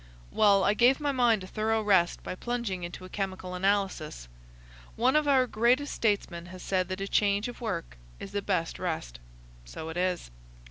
"Well, I gave my mind a thorough rest by plunging into a chemical analysis. One of our greatest statesmen has said that a change of work is the best rest. So it is.